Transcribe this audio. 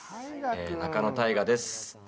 仲野太賀です。